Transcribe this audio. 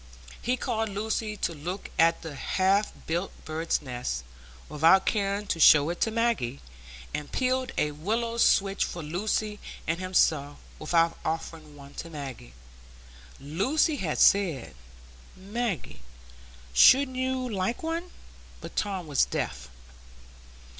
He called Lucy to look at the half built bird's nest without caring to show it Maggie, and peeled a willow switch for Lucy and himself, without offering one to Maggie. Lucy had said, "Maggie, shouldn't you like one?" but Tom was deaf.